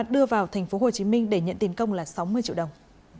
đưa vào tp hcm để nhận tiền công là sáu mươi triệu đồng